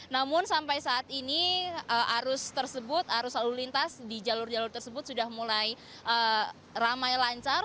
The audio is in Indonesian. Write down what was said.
namun sampai saat ini arus tersebut arus lalu lintas di jalur jalur tersebut sudah mulai ramai lancar